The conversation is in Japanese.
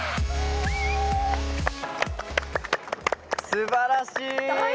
すばらしい！